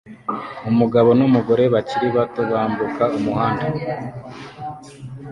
Umugabo n'umugore bakiri bato bambuka umuhanda